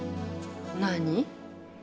何？